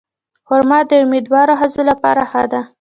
خرما د امیندوارو ښځو لپاره ښه ده.